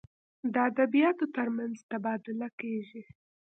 د ادبیاتو تر منځ تبادله کیږي.